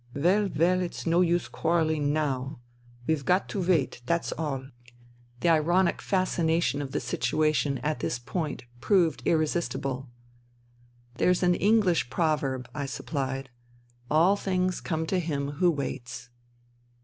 Well, well, it's no use quarrelling now. We've got to wait, that's all." 168 FUTILITY The ironic fascination of the situation at this point proved irresistible. " There's an Enghsh proverb," I suppHed :''* All things come to him who waits.'